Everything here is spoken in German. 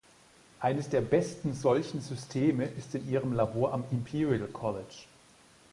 Eines der besten solchen Systeme ist in ihrem Labor am Imperial College.